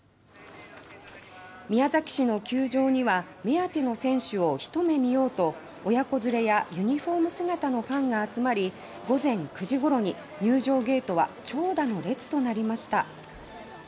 宮崎市の球場には目当ての選手を一目見ようと親子連れやユニフォーム姿のファンが集まり午前９時頃に入場ゲートは長蛇の列となりました。